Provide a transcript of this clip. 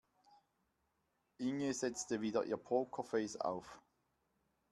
Inge setzte wieder ihr Pokerface auf.